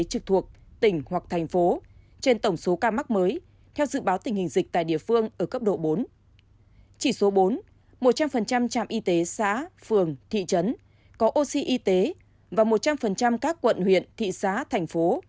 chỉ số bốn một trăm linh trạm y tế xã phường thị trấn có oxy y tế và một trăm linh các quận huyện thị xã thành phố